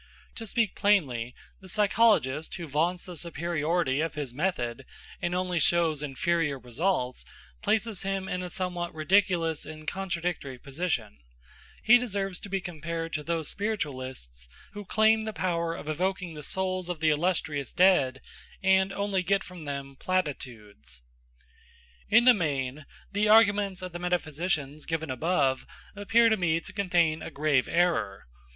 To speak plainly, the psychologist who vaunts the superiority of his method, and only shows inferior results, places himself in a somewhat ridiculous and contradictory position; he deserves to be compared to those spiritualists who claim the power of evoking the souls of the illustrious dead and only get from them platitudes. In the main the arguments of the metaphysicians given above appear to me to contain a grave error.